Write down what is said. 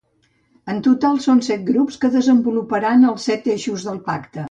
En total són set grups que desenvoluparan els set eixos del Pacte.